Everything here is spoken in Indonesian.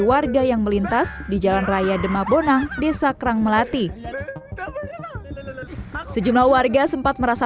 warga yang melintas di jalan raya dema bonang desa kerang melati sejumlah warga sempat merasa